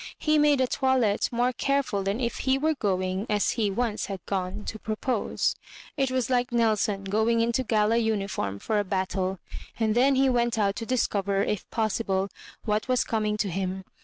He made a toilette more careful than if he were going, as he once had gone, to propose. It was like Nelson going into gala uniform for a battle. And then he went out to discover, if possible, what was coming to him.